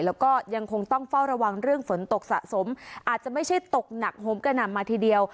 แล้วก็ยังคงต้องเฝ้าระวังเรื่องฝนตกสะสมอาจจะไม่ใช่ตกหนักโหมกระหน่ำมาทีเดียว